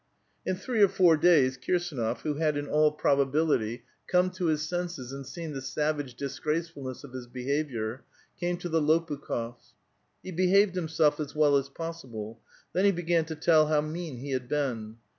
In three or four days Kirsdnof, who had in all probability A VITAL QUESTION. 205 come to his senses and seen the savage disgraecf nlness of his behavior, came to the Lopukbdfs. He beiiaved himself as well as possible ; then he began to tell how mean he had been.